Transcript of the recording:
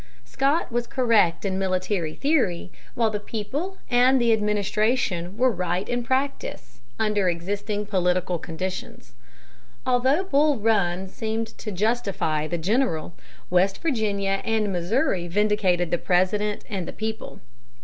Scott was correct in military theory, while the people and the administration were right in practice, under existing political conditions. Although Bull Run seemed to justify the general, West Virginia and Missouri vindicated the President and the people.